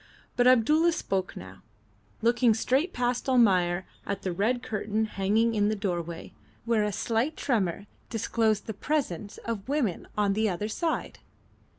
But Abdulla spoke now, looking straight past Almayer at the red curtain hanging in the doorway, where a slight tremor disclosed the presence of women on the other side.